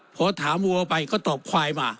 พอถามวัวไปก็ตอบควายมา